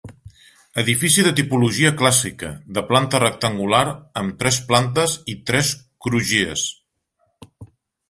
Edifici de tipologia clàssica, de planta rectangular amb tres plantes i tres crugies.